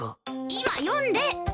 今読んで！